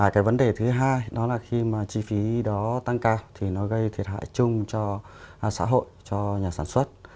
cái vấn đề thứ hai đó là khi mà chi phí đó tăng cao thì nó gây thiệt hại chung cho xã hội cho nhà sản xuất